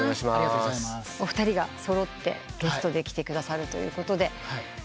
お二人が揃ってゲストで来てくださるということで。